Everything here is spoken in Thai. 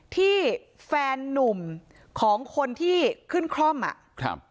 ที่แฟนนุ่มของคนที่ขึ้นคล่อมอ่ะครับ